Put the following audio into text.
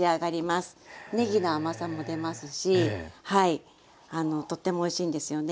ねぎの甘さも出ますしあのとってもおいしいんですよね。